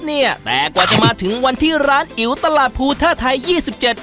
เนี่ยแต่กว่าจะมาถึงวันที่ร้านอิ๋วตลาดภูท่าไทยยี่สิบเจ็ด